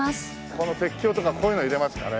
この鉄橋とかこういうの入れますかね。